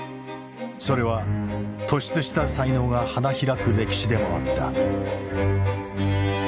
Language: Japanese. それは突出した才能が花開く歴史でもあった。